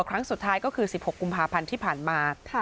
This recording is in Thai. ครั้งสุดท้ายก็คือ๑๖กุมภาพันธ์ที่ผ่านมา